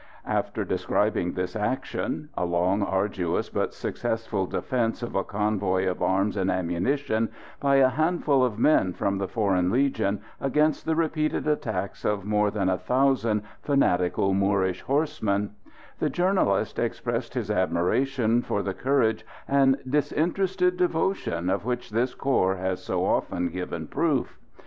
After describing this action, a long, arduous, but successful defence of a convoy of arms and ammunition by a handful of men from the Foreign Legion against the repeated attacks of more than a thousand fanatical Moorish horsemen, the journalist expressed his admiration for the courage and disinterested devotion of which this corps has so often given proof.